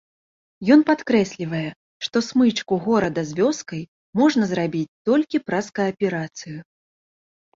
Ён падкрэслівае, што смычку горада з вёскай можна зрабіць толькі праз кааперацыю.